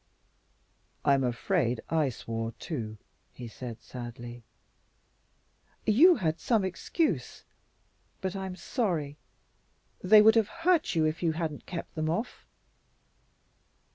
"I'm afraid I swore too," he said sadly. "You had some excuse, but I'm sorry. They would have hurt you if you hadn't kept them off."